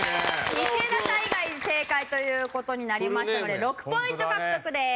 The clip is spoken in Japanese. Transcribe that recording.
道枝さん以外正解という事になりましたので６ポイント獲得です。